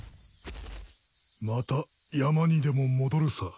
また山にでも戻るさ。